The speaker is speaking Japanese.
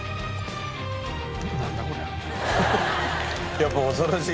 やっぱ恐ろしい。